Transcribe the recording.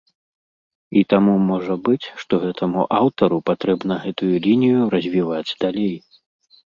І таму можа быць, што гэтаму аўтару патрэбна гэтую лінію развіваць далей.